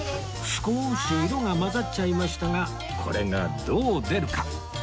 少し色が混ざっちゃいましたがこれがどう出るか？